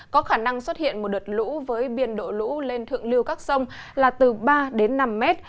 có khả năng xuất hiện một đợt lũ với biên độ lũ lên thượng lưu các sông là từ ba đến năm mét